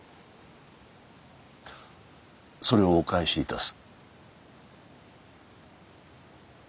それをお返し致す。